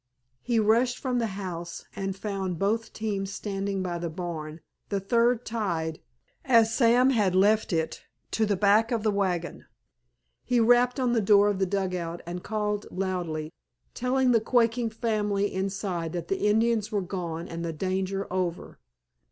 He rushed from the house, and found both teams standing by the barn, the third tied, as Sam had left it, to the back of the wagon. He rapped on the door of the dugout and called loudly, telling the quaking family inside that the Indians were gone and the danger over.